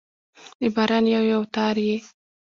د باران یو، یو تار يې